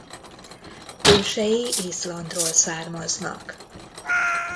Ősei Izlandról származnak.